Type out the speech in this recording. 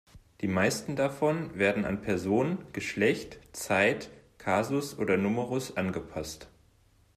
Die meisten davon werden an Person, Geschlecht, Zeit, Kasus oder Numerus angepasst.